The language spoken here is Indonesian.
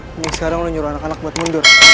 sehingga sekarang lo nyuruh anak anak buat mundur